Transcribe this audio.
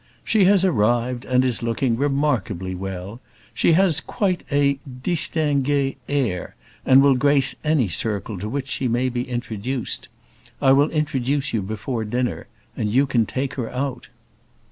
"She has arrived, and is looking remarkably well; she has quite a distingué air, and will grace any circle to which she may be introduced. I will introduce you before dinner, and you can take her out."